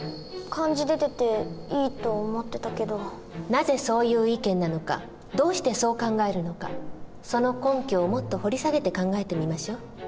なぜそういう意見なのかどうしてそう考えるのかその根拠をもっと掘り下げて考えてみましょう。